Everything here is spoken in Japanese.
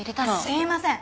すいません。